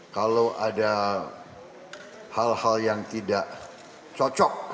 kalau ada hal hal yang tidak cocok